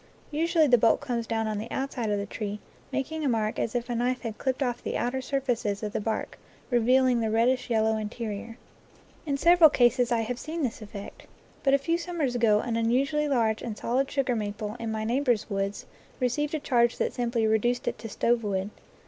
Usually the bolt comes down on the outside of the tree, making a mark as if a knife had clipped off the outer surfaces of the bark, revealing the reddish yellow interior. In sev eral cases I have seen this effect. But a few summers ago an unusually large and solid sugar maple in my neighbor's woods received a charge that simply reduced it to stovewood.